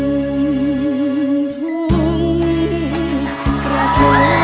ขอดูสินะคะสิครับ